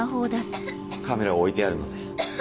カメラを置いてあるので。